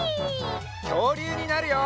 きょうりゅうになるよ！